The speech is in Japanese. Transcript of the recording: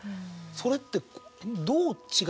それって。